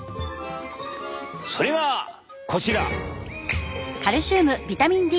それがこちら！